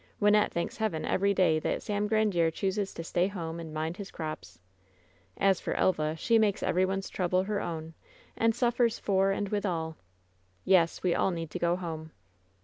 Wynnette thanks Heaven every day that Sam Grandiere chooses to stay home and mind his crops. As for Elva, she makes every one's trouble her own and suffers for and with all ' Yes, we all need to go home."